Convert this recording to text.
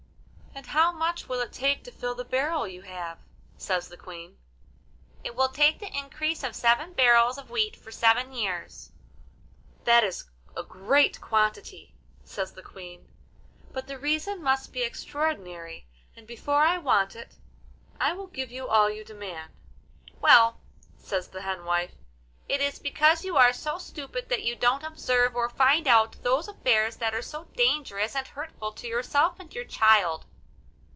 'And how much will it take to fill the barrel you have?' says the Queen. 'It will take the increase of seven barrels of wheat for seven years.' 'That is a great quantity,' says the Queen; 'but the reason must be extraordinary, and before I want it, I will give you all you demand.' 'Well,' says the hen wife, 'it is because you are so stupid that you don't observe or find out those affairs that are so dangerous and hurtful to yourself and your child.